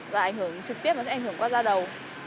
và ảnh hưởng trực tiếp nó sẽ ảnh hưởng qua da đầu